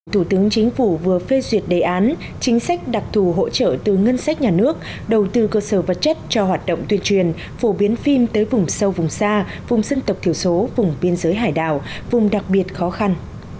thủ tướng chính phủ vừa phê duyệt đề án chính sách đặc thù hỗ trợ từ ngân sách nhà nước đầu tư cơ sở vật chất cho hoạt động tuyên truyền phổ biến phim tới vùng sâu vùng xa vùng dân tộc thiểu số vùng biên giới hải đảo vùng đặc biệt khó khăn